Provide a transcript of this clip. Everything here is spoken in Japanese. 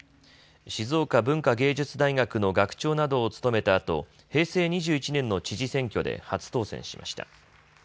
静岡文化芸術大学の学長などを務めたあと、平成２１年の知事選挙で初当選しました。